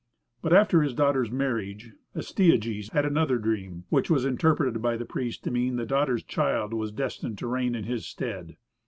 But after his daughter's marriage Astyages had another dream, which was interpreted by the priests to mean that his daughter's child was destined to reign in his stead.